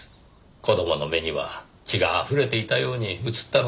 子供の目には血があふれていたように映ったのでしょう。